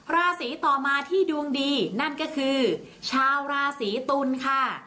ราศีต่อมาที่ดวงดีนั่นก็คือชาวราศีตุลค่ะ